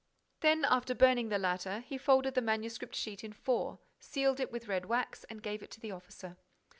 Then, after burning the latter, he folded the manuscript sheet in four, sealed it with red wax, and gave it to the officer.